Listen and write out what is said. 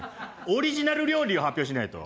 オリジナル料理を発表しないと。